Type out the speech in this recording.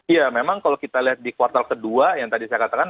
ya memang kalau kita lihat di kuartal kedua yang tadi saya katakan